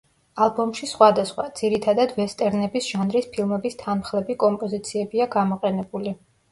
ალბომში სხვადასხვა, ძირითადად ვესტერნების ჟანრის ფილმების თანმხლები კომპოზიციებია გამოყენებული.